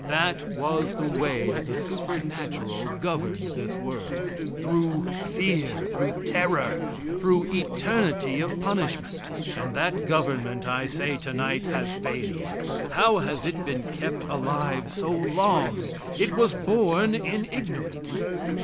That was the way that the supernatural governed this world through fear, through terror, through eternity of punishment; and that government, I say tonight, has failed. How has it been kept alive so long? It was born in ignorance.